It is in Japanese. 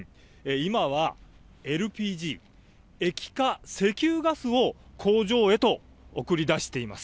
今はＬＰＧ＝液化石油ガスを工場へと送り出しています。